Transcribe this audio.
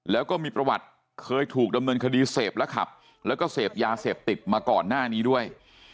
แล้วก็มีประวัติเคยถูกดำเนินคดีเสพและขับแล้วก็เสพยาเสพติดมาก่อนหน้านี้ด้วย